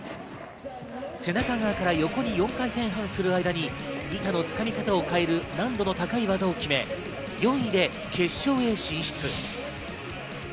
背中側から横に４回半する間に板の掴み方を変える難度の高い技を決め、４位で決勝へ進出。